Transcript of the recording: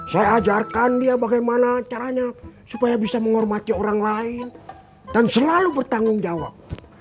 saya ajarkan dia bagaimana caranya supaya bisa menghormati orang lain dan selalu bertanggung jawab